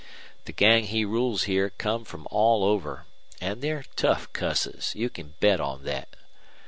The gang he rules here come from all over, an' they're tough cusses, you can bet on thet.